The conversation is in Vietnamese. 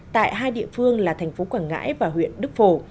tại hai địa phương là thành phố quảng ngãi và huyện đức phổ